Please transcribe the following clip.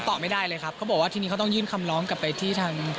ตอบไม่ได้เลยครับเขาบอกว่าทีนี้เขาต้องยื่นคำร้องกลับไปที่ทาง